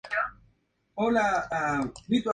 Casado con María Aída Serra, tuvo con ella tres hijos.